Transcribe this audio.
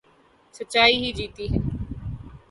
سچائی ہی جیتتی ہے